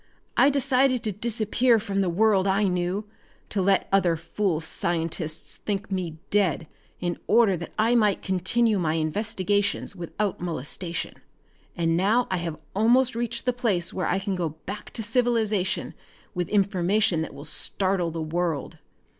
"I decided to disappear from the world I knew, to let other fool scientists think me dead in order that I might continue my investigations without molestation. And now I have almost reached the place where I can go back to civilization with information that will startle the world.